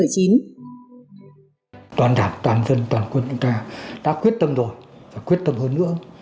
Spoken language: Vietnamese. toàn đảng toàn dân toàn quân chúng ta đã quyết tâm rồi và quyết tâm hơn nữa